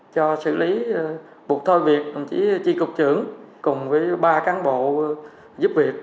cho xử lý buộc thôi việc đồng chí tri cục trưởng cùng với ba cán bộ giúp việc